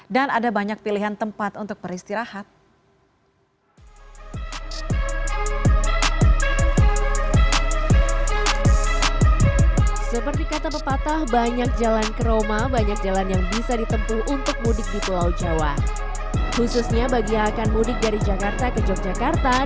dan ada banyak pilihan tempat untuk beristirahat